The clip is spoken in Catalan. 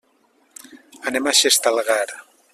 Anem a Xestalgar.